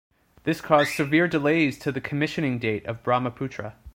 This caused severe delays to the commissioning date of "Brahmaputra".